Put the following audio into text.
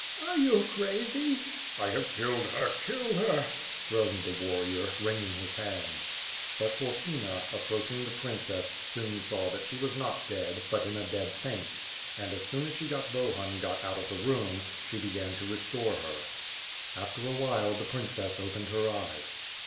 "Are you crazy?" "I have killed her, killed her!" groaned the warrior, wring ing his hands. But Horpyna, approaching the princess, soon saw that she was not dead, but in a dead faint; and as soon as she got Bohun got out of the room, she began to restore her. After a while, the princess opened her eyes.